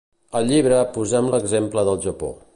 Al llibre posem l’exemple del Japó.